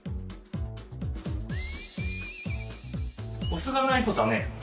お酢がないとだめ？